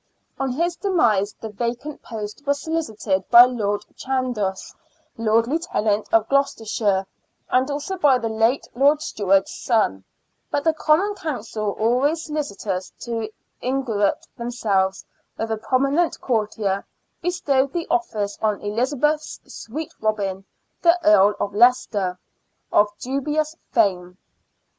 On his demise the vacant post was solicited by Lord Chandos, Lord Lieutenant of Gloucestershire, and also by the late Lord Steward's son ; but the Common Council, always solicitous to ingratiate themselves with a prominent courtier, bestowed the office on Elizabeth's " Sweet Robin," the Earl of Leicester, of dubious fame.